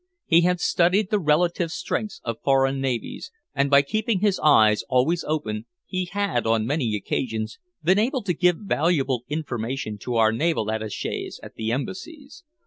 He had studied the relative strengths of foreign navies, and by keeping his eyes always open he had, on many occasions, been able to give valuable information to our naval attachés at the Embassies.